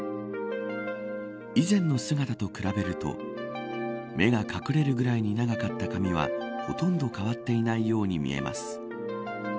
以前の姿と比べると目が隠れるぐらいに長かった髪はほとんど変わっていないように見えます。